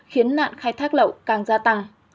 khiến nạn khai thác lậu càng gia tăng